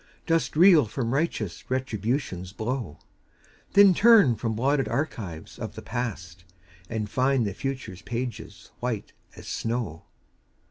Dost reel from righteous Retribution's blow? Then turn from blotted archives of the past, And find the future's pages white as snow.